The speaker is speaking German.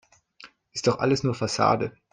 Ist doch alles nur Fassade.